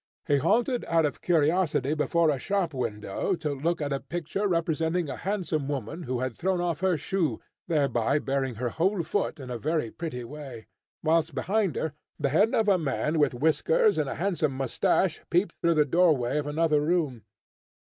He halted out of curiosity before a shop window, to look at a picture representing a handsome woman, who had thrown off her shoe, thereby baring her whole foot in a very pretty way; whilst behind her the head of a man with whiskers and a handsome moustache peeped through the doorway of another room.